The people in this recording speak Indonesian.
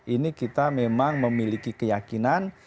ini kita memang memiliki keyakinan